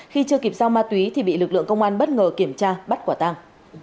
khi chưa kịp giao ma túy thì bị lực lượng công an bất ngờ kiểm tra bắt quả tàng